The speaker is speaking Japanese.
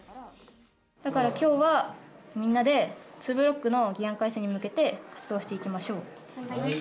だからきょうは、みんなでツーブロックの議案改正に向けて活動していきましょう。